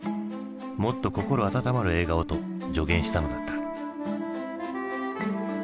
「もっと心温まる映画を」と助言したのだった。